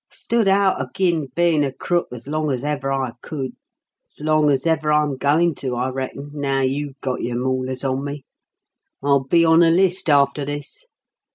Stood out agin bein' a crook as long as ever I could as long as ever I'm goin' to, I reckon, now you've got your maulers on me. I'll be on the list after this.